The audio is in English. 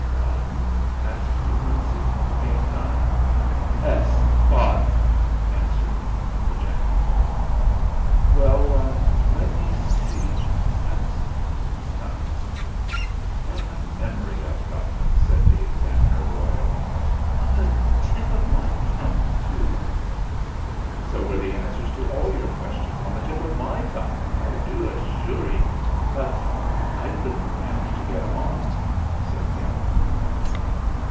"Baden ?" asked De Quincey, to gain time. "Ess, Baden," answered the Jack Toad. "Well, let me see tut, tut! What a 248 THE FLINT HEART memory I've got!" said the Examiner Royal. "On the tip of my tongue too !" "So were the answers to all your questions on the tip of my tongue, I do assure 'e. But I couldn't manage to get 'em off!" said the Gal loper.